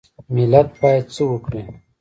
ملت باید څه وکړي؟